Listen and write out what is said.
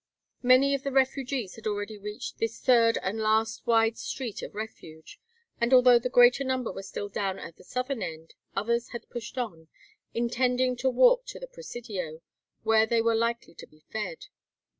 Many of the refugees had already reached this third and last wide street of refuge, and although the greater number were still down at the southern end, others had pushed on, intending to walk to the Presidio, where they were likely to be fed.